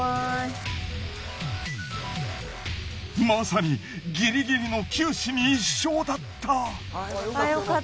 まさにギリギリの九死に一生だった。